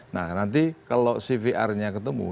nah nanti kalau cvr nya ketemu